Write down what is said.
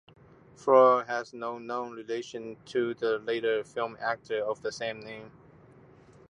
Ford has no known relation to the later film actor of the same name.